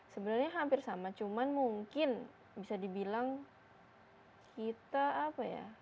sebenarnya hampir sama cuman mungkin bisa dibilang kita apa ya